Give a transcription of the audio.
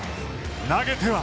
投げては。